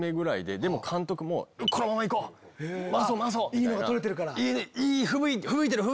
いいのが撮れてるから。